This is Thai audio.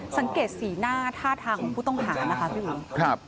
สังเกตสีหน้าท่าทางของผู้ต้องหานะคะพี่อุ๋ย